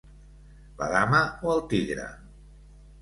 La dama o el tigre?